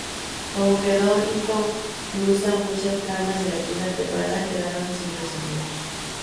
Como quedó inconclusa, muchas tramas de la quinta temporada quedaron sin resolver.